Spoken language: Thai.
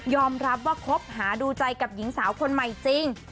รับว่าคบหาดูใจกับหญิงสาวคนใหม่จริง